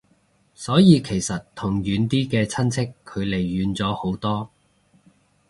所以其實同遠啲嘅親戚距離遠咗好多